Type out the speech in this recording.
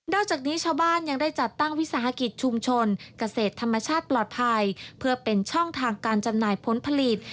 จากนี้ชาวบ้านยังได้จัดตั้งวิสาหกิจชุมชนเกษตรธรรมชาติปลอดภัยเพื่อเป็นช่องทางการจำหน่ายผลผลิต